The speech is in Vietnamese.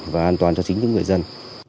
và an toàn cho chính những người dân